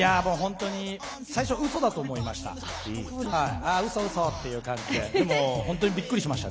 最初はうそだと思いました。